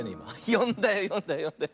よんだよよんだよよんだよ。